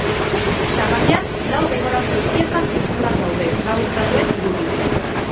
Sabaian lau dekorazio-pieza zirkular daude, lau urtaroen irudi.